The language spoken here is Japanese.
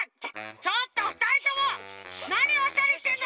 ちょっとふたりともなにおしゃれしてんの！